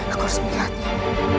aku harus melihatnya